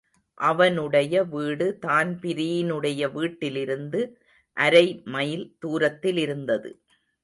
அவனுடைய வீடு தான்பிரீனுடைய வீட்டிலிருந்து அரைமைல் துரத்திலிருந்தது.